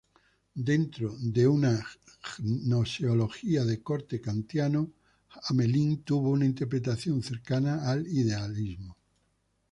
Dentro de una gnoseología de corte kantiano, Hamelin tuvo una interpretación cercana al idealismo.